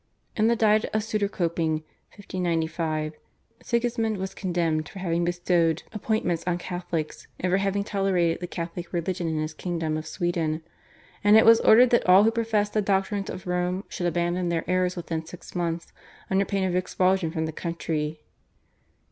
In the Diet of Suderkoping (1595) Sigismund was condemned for having bestowed appointments on Catholics and for having tolerated the Catholic religion in his kingdom of Sweden, and it was ordered that all who professed the doctrines of Rome should abandon their errors within six months under pain of expulsion from the country.